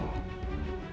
untuk mencari kekuatanmu